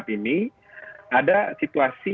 ini ada situasi